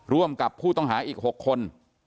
ร่วมกับผู้ต้องหาอีก๖คน